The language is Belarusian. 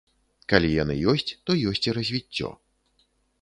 Калі яны ёсць, то ёсць і развіццё.